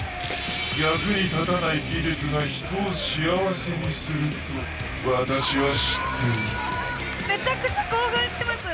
役に立たない技術が人を幸せにすると私は知っている。